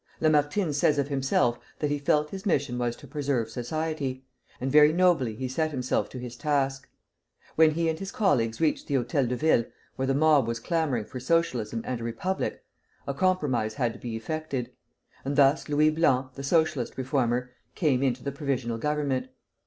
Lamartine says of himself that he felt his mission was to preserve society, and very nobly he set himself to his task. When he and his colleagues reached the Hôtel de Ville, where the mob was clamoring for Socialism and a republic, a compromise had to be effected; and thus Louis Blanc, the Socialistic reformer, came into the Provisional Government.